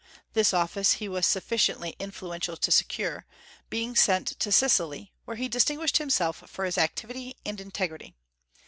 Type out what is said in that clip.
This office he was sufficiently influential to secure, being sent to Sicily, where he distinguished himself for his activity and integrity.